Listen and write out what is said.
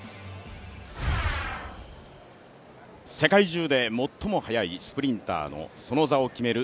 世界中で最も速いスプリンターのその座を決める